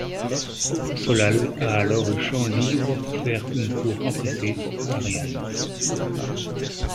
Solal a alors le champ libre pour faire une cour empressée à Ariane.